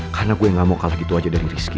karena gue gak mau kalah itu aja dari rizky